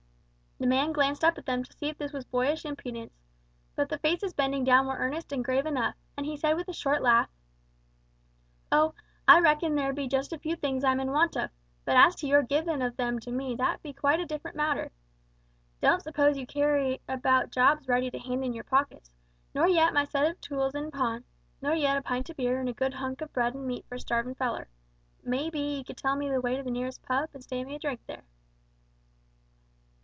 The man glanced up at them to see if this was boyish impudence, but the faces bending down were earnest and grave enough, and he said with a short laugh, "Oh, I reckon there be just a few things I'm in want of; but as to your givin' of them to me that be quite a different matter. Don't suppose ye carry about jobs ready to hand in yer pockets, nor yet my set of tools in pawn, nor yet a pint o' beer and a good hunk of bread and meat for a starvin' feller! May be ye could tell me the way to the nearest pub, and stand me a drink there!"